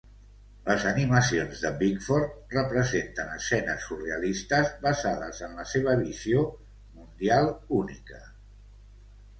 Les animacions de Bickford representen escenes surrealistes basades en la seva visió mundial única.